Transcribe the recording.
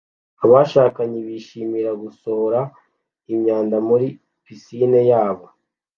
Abashakanye bishimira gusohora imyanda muri pisine yabo